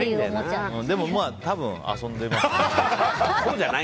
でもまあ、多分遊んでます。